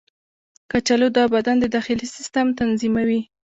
کچالو د بدن د داخلي سیسټم تنظیموي.